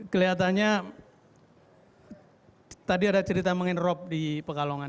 kelihatannya tadi ada cerita mengenai rob di pekalongan